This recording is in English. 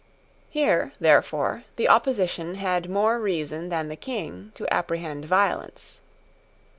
Here, therefore, the opposition had more reason than the King to apprehend violence.